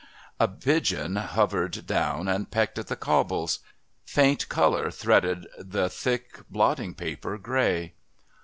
A pigeon hovered down and pecked at the cobbles. Faint colour threaded the thick blotting paper grey.